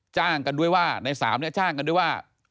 จ้างกันด้วยว่าใน๓เนี่ยจ้างกันด้วยว่า